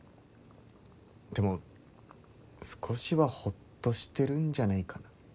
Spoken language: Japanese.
でも少しはほっとしてるんじゃないかな。